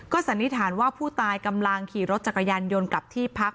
สันนิษฐานว่าผู้ตายกำลังขี่รถจักรยานยนต์กลับที่พัก